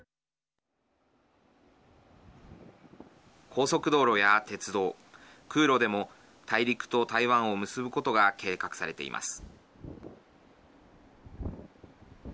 高速道路や鉄道空路でも大陸と台湾を結ぶことが計画されています。